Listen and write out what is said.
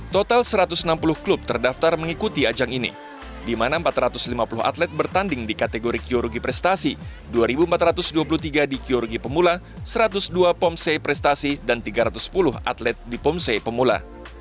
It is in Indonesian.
total satu ratus enam puluh klub terdaftar mengikuti ajang ini di mana empat ratus lima puluh atlet bertanding di kategori kyorugi prestasi dua empat ratus dua puluh tiga di kyorugi pemula satu ratus dua pomse prestasi dan tiga ratus sepuluh atlet di pomse pemula